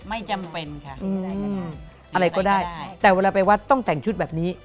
ไม่จำเป็นค่ะอะไรก็ได้แต่เวลาไปวัดต้องแต่งชุดแบบนี้